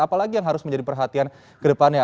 apalagi yang harus menjadi perhatian ke depannya